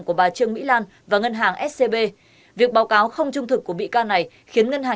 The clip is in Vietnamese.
của bà trương mỹ lan và ngân hàng scb việc báo cáo không trung thực của bị can này khiến ngân hàng